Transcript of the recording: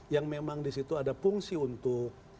yang memang disitu ada fungsi untuk